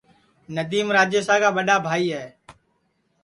ندیم راجیشا کا ٻڈؔا بھائی ہے